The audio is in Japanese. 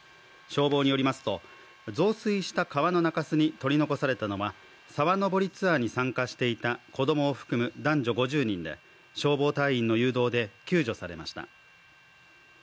消防によりますと増水した川の中州に取り残されたのは沢登りツアーに参加していた子供を含む男女５０人で消防隊員の誘導で救助されました。